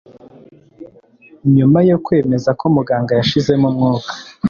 Nyuma yo kwemeza ko muganga yashizemo umwuka